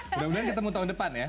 mudah mudahan ketemu tahun depan ya